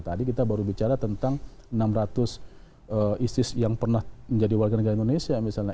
tadi kita baru bicara tentang enam ratus isis yang pernah menjadi warga negara indonesia misalnya